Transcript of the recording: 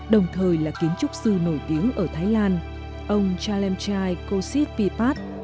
đồng thời là kiến trúc sư nổi tiếng ở thái lan ông chalem chai koshit vipat